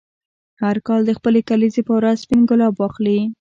هر کال د خپلې کلیزې په ورځ سپین ګلاب واخلې.